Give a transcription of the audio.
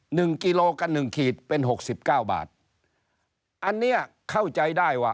หนึ่งกิโลกันหนึ่งขีดเป็น๖๙บาทอันนี้เข้าใจได้ว่า